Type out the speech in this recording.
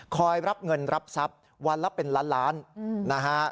รับเงินรับทรัพย์วันละเป็นล้านล้านนะฮะ